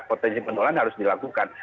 potensi penularan harus dilakukan